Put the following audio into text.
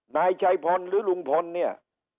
นายชัยพลหรือลุงพลเนี่ย